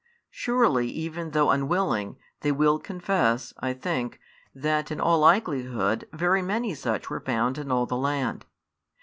Surely, even though unwilling, they will confess, I think, that in all likelihood very many such were found in all the land.